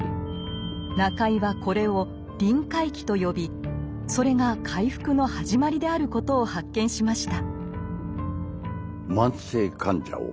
中井はこれを「臨界期」と呼びそれが回復の始まりであることを発見しました。